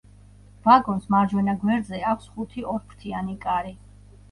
ვაგონს მარჯვენა გვერდზე აქვს ხუთი ორფრთიანი კარი.